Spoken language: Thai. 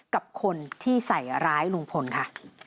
กับคนที่ใส่ร้ายลุงพลค่ะ